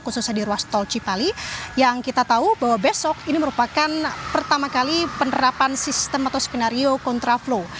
khususnya di ruas tol cipali yang kita tahu bahwa besok ini merupakan pertama kali penerapan sistem atau skenario kontraflow